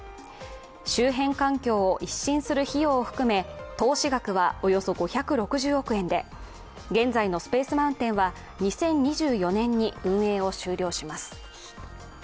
周辺環境を一新する費用を含め投資額はおよそ５６０億円で、現在のスペース・マウンテンは２０２４年に運営を終了します。